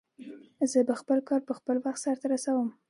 زه به خپل کار په خپل وخت سرته ورسوم